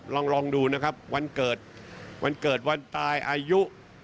ลองดูนะครับวันเกิดวันเกิดวันตายอายุ